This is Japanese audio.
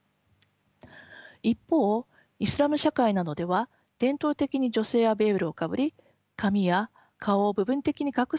一方イスラム社会などでは伝統的に女性はベールをかぶり髪や顔を部分的に隠す文化もあります。